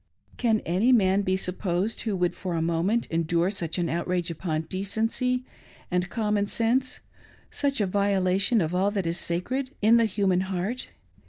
Can any man be supposed who would for a moment endure such an outrage upon decency and common sense — such a violation of all that is sacred in the human heart